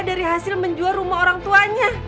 dari hasil menjual rumah orang tuanya